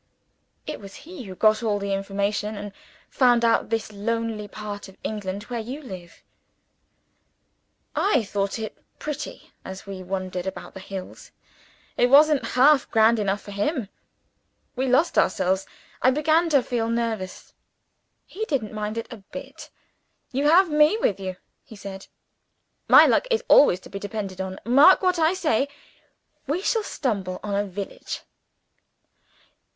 It was he who got all the information, and found out this lonely part of England where you live. I thought it pretty as we wandered about the hills it wasn't half grand enough for him. We lost ourselves. I began to feel nervous. He didn't mind it a bit. 'You have Me with you,' he said; 'My luck is always to be depended on. Mark what I say! We shall stumble on a village!'